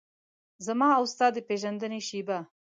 زما او ستا د پیژندنې شیبه